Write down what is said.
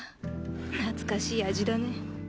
懐かしい味だね。